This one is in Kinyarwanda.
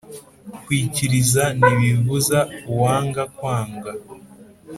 Kwikiriza ntibibuza uwanga kwanga.